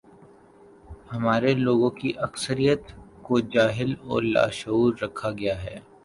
ہمارے لوگوں کی اکثریت کو جاہل اور لاشعور رکھا گیا ہے۔